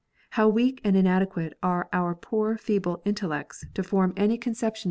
How weak and inadequate are our poor feeble intellects to form any conception 32 KNOTS UNTIED.